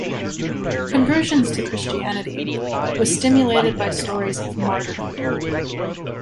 Conversions to Christianity, was stimulated by stories of martyrhood.